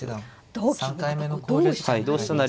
同金には同飛車成。